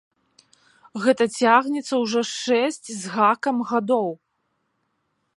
Гэта цягнецца ўжо шэсць з гакам гадоў!